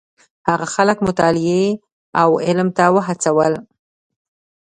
هغه خلک مطالعې او علم ته وهڅول.